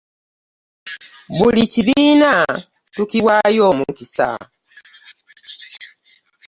Buli kibiina tukiwaayo omukisa.